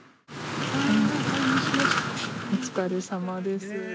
お疲れさまです。